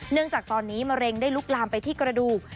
จากตอนนี้มะเร็งได้ลุกลามไปที่กระดูก